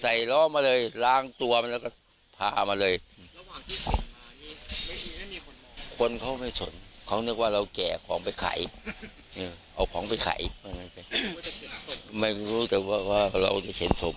ล้อมาเลยล้างตัวมันแล้วก็พามาเลย